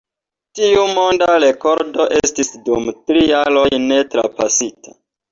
Tiu monda rekordo estis dum tri jaroj ne trapasita.